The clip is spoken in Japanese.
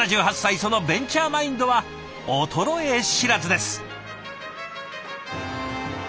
そのベンチャーマインドは衰え知らずです。